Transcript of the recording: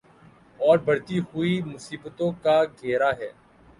اوربڑھتی ہوئی مصیبتوں کا گھیرا ہے۔